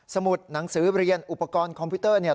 สมุดหนังสือเรียนอุปกรณ์คอมพิวเตอร์เนี่ย